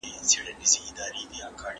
هغه اجناس چي توليدېږي، بايد بازار ولري.